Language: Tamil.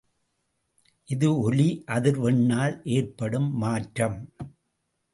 இது ஒலி அதிர்வெண்ணால் ஏற்படும் மாற்றம்.